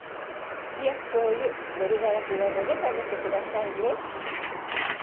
酢やしょうゆ、練りがらしなどで食べてくださいね。